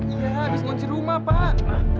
iya habis ngunci rumah pak